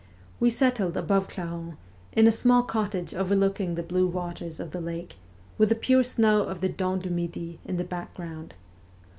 We settled above Clarens, in a small cottage overlooking the blue waters of the lake, with the pure snow of the Dent du Midi in the background.